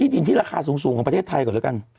ยินที่ราคาสูงของประเทศไทยกัน